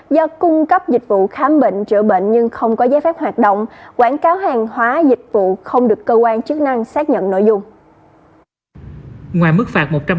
do cung cấp dịch vụ khám bệnh chữa bệnh nhưng không có giấy phép hoạt động quảng cáo hàng hóa dịch vụ không được cơ quan chức năng xác nhận nội dung